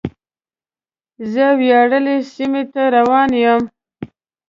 زه وياړلې سیمې ته روان یم.